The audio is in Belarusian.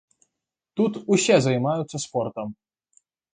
Тут усе займаюцца спортам.